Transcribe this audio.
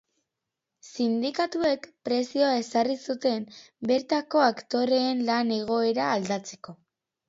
Sindikatuek presioa ezarri zuten, bertako aktoreen lan-egoera aldatzeko.